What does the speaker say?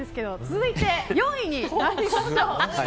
続いて、４位になります。